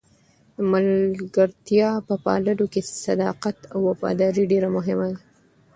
د ملګرتیا په پاللو کې صداقت او وفاداري ډېره مهمه ده.